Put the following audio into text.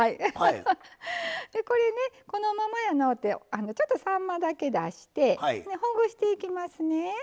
これね、このままやのうてちょっと、さんまだけ出してほぐしていきますね。